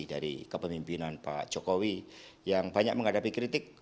dari kepemimpinan pak jokowi yang banyak menghadapi kritik